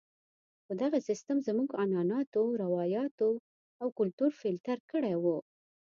خو دغه سیستم زموږ عنعناتو، روایاتو او کلتور فلتر کړی وو.